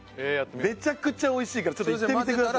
めちゃくちゃおいしいからちょっといってみてください。